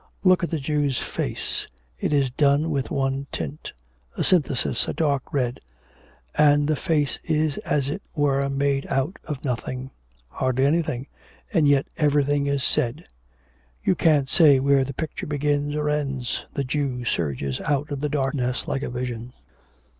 Look at the Jew's face, it is done with one tint; a synthesis, a dark red, and the face is as it were made out of nothing hardly anything, and yet everything is said... You can't say where the picture begins or ends, the Jew surges out of the darkness like a vision.